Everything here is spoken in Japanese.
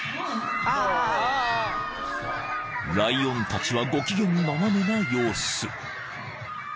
［ライオンたちはご機嫌斜めな様子］